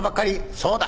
「そうだ。